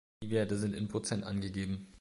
Die Werte sind in Prozent angegeben.